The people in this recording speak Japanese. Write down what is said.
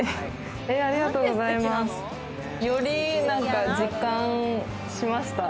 より実感しました。